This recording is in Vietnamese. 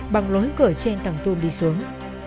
bằng lối cửa trên tầng tùm đi xuống